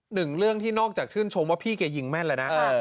หนึ่งเรื่องที่นอกจากชื่นชมว่าพี่แกยิงแม่นแล้วนะ